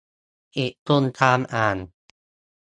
อีกคนตามอ่าน